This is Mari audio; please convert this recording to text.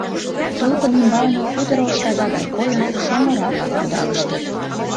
Толкын ӱмбалне, кудыр ош тага гай койын, шоҥ ора-влак кудалыштыт.